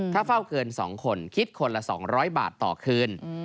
ถ้าเฝ้าเกิน๒คนคิดคนละ๒๐๐บาทต่อคืน